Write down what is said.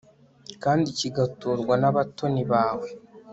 kandi kigaturwa n'abatoni bawe